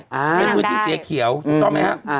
เป็นพื้นที่สีเขียวถูกต้องไหมครับ